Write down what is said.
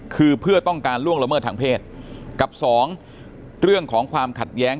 คือเพื่อต้องการล่วงละเมิดทางเพศกับสองเรื่องของความขัดแย้ง